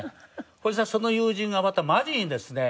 そしたらその友人がまたマジにですね